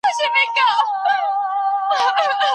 رښتيني او صدقه ورکوونکي خلک څوک دي؟